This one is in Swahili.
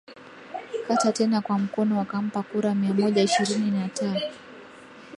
kata tena kwa mkono wakampa kura mia moja ishirini na ta